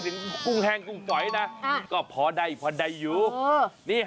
ตัวเล็กหรอคะเนี้ย